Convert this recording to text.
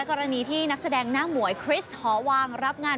กรณีที่นักแสดงหน้าหมวยฮอวางรับงาน